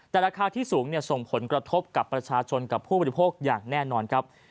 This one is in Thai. แต่ราคาที่สูงส่งผลกระทบกับประชาชนกับผู้บริโภคอย่างแน่นอนครับ